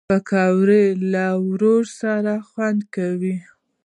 پکورې له ورور سره خوند کوي